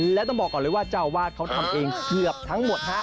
และต้องบอกก่อนเลยว่าเจ้าวาดเขาทำเองเกือบทั้งหมดฮะ